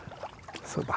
そうだ。